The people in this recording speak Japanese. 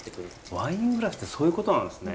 ワイングラスってそういうことなんですね。